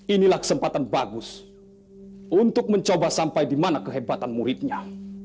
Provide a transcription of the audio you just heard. inilah kesempatan bagus untuk mencoba sampai di mana kehebatan muridnya